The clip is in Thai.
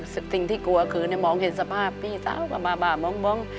สิ่งที่กลัวคือมองเห็นสภาพพี่สาวก็บ้ามอง